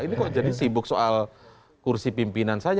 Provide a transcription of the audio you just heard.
ini kok jadi sibuk soal kursi pimpinan saja